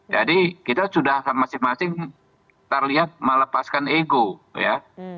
jadi kita sudah sama masing masing terlihat melepaskan ego ya